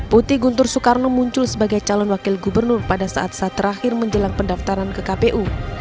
putih guntur soekarno muncul sebagai calon wakil gubernur pada saat saat terakhir menjelang pendaftaran ke kpu